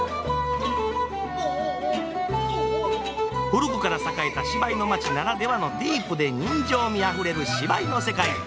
古くから栄えた芝居の街ならではのディープで人情味あふれる芝居の世界。